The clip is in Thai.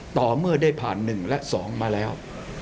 ต่อเมื่อได้ผ่าน๑และ๒มาแล้ว